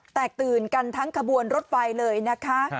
แตกตื่นกันทั้งขบวนรถไฟเลยนะคะ